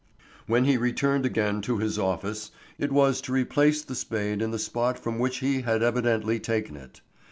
When he returned again to his office it was to replace the spade in the spot from which he had evidently taken it.